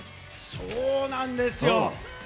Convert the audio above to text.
そうなんですよ。